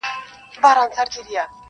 وجدان ورو ورو مري دننه تل-